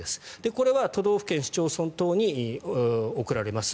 これは都道府県、市町村等に送られます。